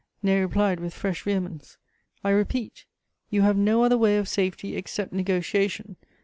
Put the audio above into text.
Ney replied, with fresh vehemence: "I repeat, you have no other way of safety except negociation.